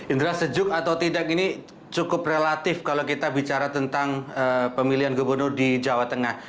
indra sejuk atau tidak ini cukup relatif kalau kita bicara tentang pemilihan gubernur di jawa tengah